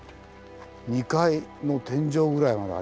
２階の天井ぐらいまでありますね。